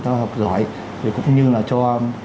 cao học giỏi thì cũng như là cho